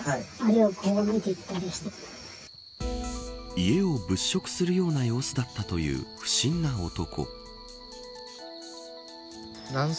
家を物色するような様子だったという不審な男。